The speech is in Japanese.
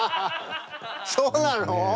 そうなの？